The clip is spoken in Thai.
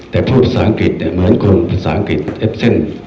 แต่พูดภาษาอังกฤษเหมือนคนภาษาอังกฤษเอฟเซน